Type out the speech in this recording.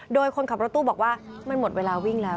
โดยคนขับรถตู้บอกว่ามันหมดเวลาวิ่งแล้ว